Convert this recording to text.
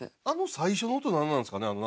あの最初の音なんなんですかね？